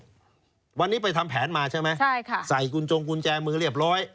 วันนี้ไปทำแผนมาใช่ไหมใช่ค่ะใส่กุญจงกุญแจมือเรียบร้อย